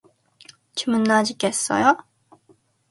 주문하시겠어요?